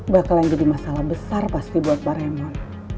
bakal yang jadi masalah besar pasti buat baremon